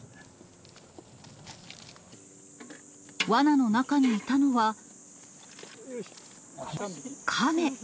わなの中にいたのは、カメ。